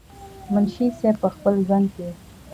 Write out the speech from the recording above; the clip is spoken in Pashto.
منشي صېب پۀ خپل ژوند کښې